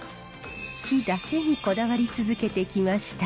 杼だけにこだわり続けてきました。